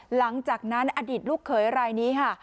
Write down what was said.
หลังจากนั้นอดีตลูกเขยรายนี้ค่ะ